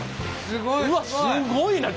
すごいな。